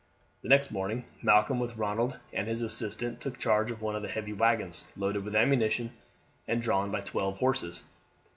The next morning Malcolm, with Ronald as his assistant, took charge of one of the heavy waggons, loaded with ammunition, and drawn by twelve horses.